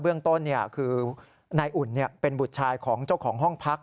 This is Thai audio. เรื่องต้นคือนายอุ่นเป็นบุตรชายของเจ้าของห้องพัก